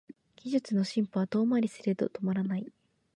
技術の進歩は遠回りはすれど止まらない